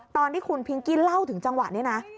ตอนที่คุณพิงกี้เล่าถึงจังหวะนี้นะ